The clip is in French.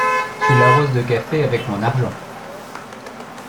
Tu l’arroses de café avec mon argent!